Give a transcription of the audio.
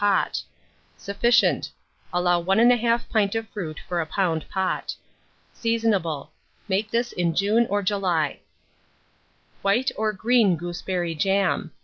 pot. Sufficient. Allow 1 1/2 pint of fruit for a lb. pot. Seasonable. Make this in June or July. WHITE OR GREEN GOOSEBERRY JAM.